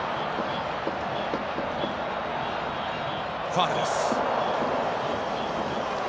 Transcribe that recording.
ファウルです。